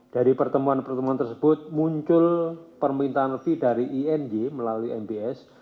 dari pertemuan pertemuan tersebut muncul permintaan fee dari iny melalui mbs